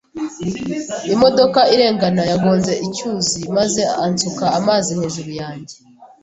Imodoka irengana yagonze icyuzi maze ansuka amazi hejuru yanjye.